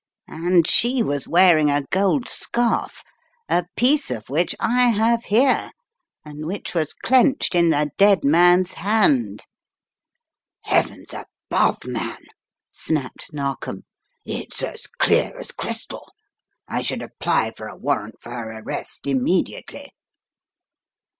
And she was wearing a gold scarf, a piece of which I have here and which was clenched in the dead man's hand!" "Heavens above, man!" snapped Narkom. "It's as clear as crystal. I should apply for a warrant for her arrest immediately."